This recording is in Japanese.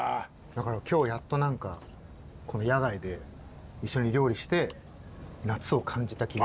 だから今日やっと何か野外で一緒に料理して夏を感じた気がします。